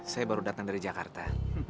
saya baru datang dari jakarta